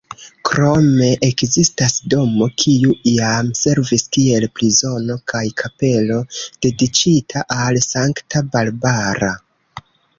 Krome ekzistas domo, kiu iam servis kiel prizono, kaj kapelo dediĉita al Sankta Barbara.